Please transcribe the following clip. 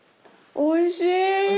おいしい？